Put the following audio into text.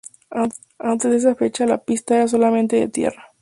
Antes de esa fecha la pista era solamente de tierra.